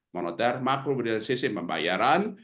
moneter makro bidensisim pembayaran